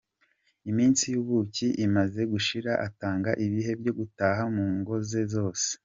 Iminsi y’ubuki imaze gushira atanga ibihe byo gutaha mu ngo ze zose.